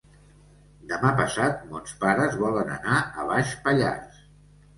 Demà passat mons pares volen anar a Baix Pallars.